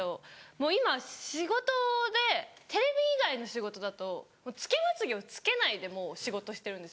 もう今仕事でテレビ以外の仕事だとつけまつげをつけないで仕事してるんですよ。